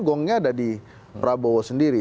gongnya ada di prabowo sendiri